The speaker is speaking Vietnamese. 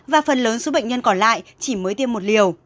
và phần lớn số bệnh nhân còn lại chỉ mới tiêm một liều